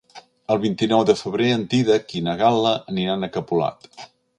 El vint-i-nou de febrer en Dídac i na Gal·la aniran a Capolat.